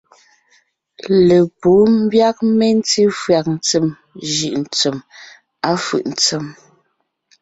Lepǔ ḿbyág mentí fÿàg ntsèm jʉ̀’ ntsѐm, à fʉ̀’ ntsém.